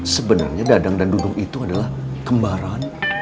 sebenarnya dadang dan duduk itu adalah kembaran